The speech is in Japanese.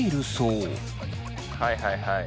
はいはいはい。